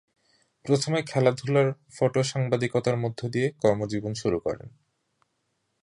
প্রথমে খেলাধুলার ফটো সাংবাদিকতার মধ্য দিয়ে কর্ম জীবন শুরু করেন।